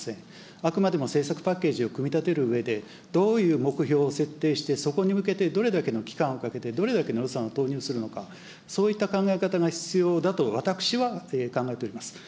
あくまでも政策パッケージを組み立てるうえで、どういう目標を設定して、そこに向けてどれだけの期間をかけて、どれだけの予算を投入するのか、そういった考え方が必要だと、私は考えております。